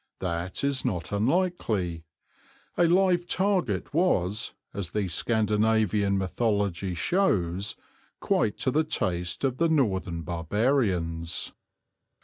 That is not unlikely. A live target was, as the Scandinavian mythology shows, quite to the taste of the northern barbarians.